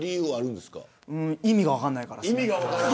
意味が分からないからです。